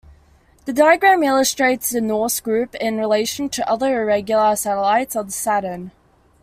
The diagram illustrates the Norse group in relation to other irregular satellites of Saturn.